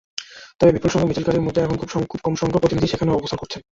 তবে বিপুলসংখ্যক মিছিলকারীদের মধ্যে এখন খুব কমসংখ্যক প্রতিনিধি সেখানে অবস্থান করছেন।